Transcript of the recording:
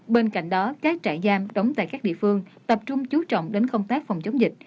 bên cạnh đó các trại giam đóng tại các địa phương tập trung chú trọng đến công tác phòng chống dịch